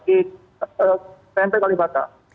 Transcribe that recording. di tmp kalibata